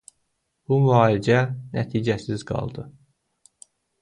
Bu müalicə nəticəsiz qaldı.